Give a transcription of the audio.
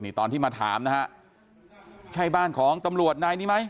นี่ตอนที่มาถามนะฮะใช่บ้านของตำรวจนายนี้ไหม